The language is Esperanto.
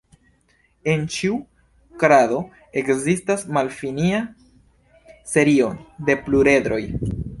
En ĉiu krado ekzistas malfinia serio de pluredroj.